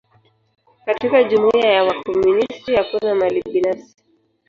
Katika jumuia ya wakomunisti, hakuna mali binafsi.